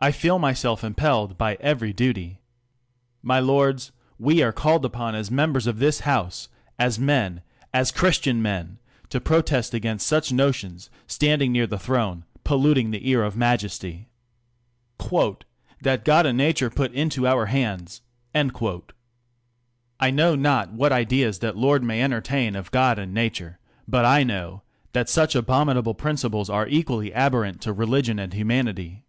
I feel myself impelled by every duty. My lords, we are csilled" upon as members of this House, s men as Christian men, to protest against such notions standing near the throne, polluting the ear of Majesty. '' That God and nature put into our hands !" 1 Know not what ideas that lord may entertain of God and nature ; but I know, that such abominable principles are equally abhorrent to religion and humanity.